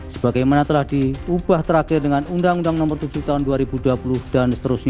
sebagaimana telah diubah terakhir dengan undang undang nomor tujuh tahun dua ribu dua puluh dan seterusnya